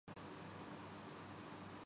وہ خوش قسمت ہیں۔